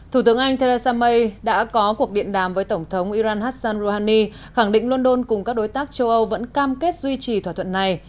thủ tướng anh theresa may đã có cuộc điện đàm với tổng thống iran hassan rouhani khẳng định london cùng các đối tác châu âu vẫn cam kết duy trì thỏa thuận này